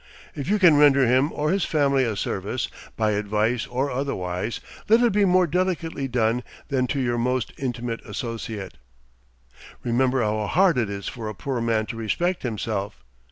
If you can render him or his family a service, by advice or otherwise, let it be more delicately done than to your most intimate associate. Remember how hard it is for a poor man to respect himself.